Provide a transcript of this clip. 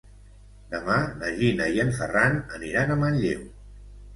Demà na Gina i en Ferran aniran a Manlleu.